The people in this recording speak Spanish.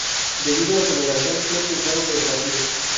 Debido a su negación fue expulsado del partido.